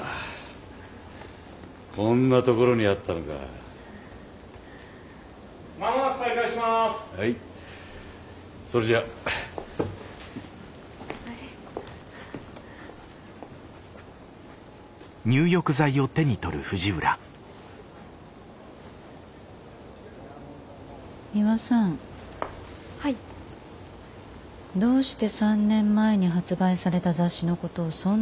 どうして３年前に発売された雑誌のことをそんなに詳しく知っているの？